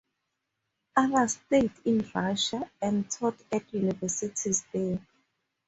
Others stayed in Russia and taught at universities there.